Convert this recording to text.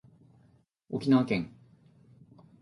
沖縄県